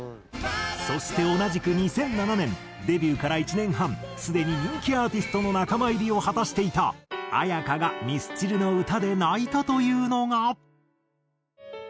そして同じく２００７年デビューから１年半すでに人気アーティストの仲間入りを果たしていた絢香がミスチルの歌で泣いたというのが。